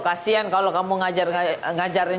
kasian kalau kamu ngajarin